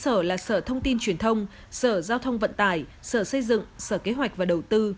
theo đó bốn sở là sở thông tin truyền thông sở giao thông vận tải sở xây dựng sở kế hoạch và đầu tư